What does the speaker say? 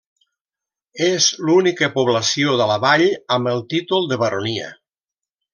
És l'única població de la Vall amb el títol de Baronia.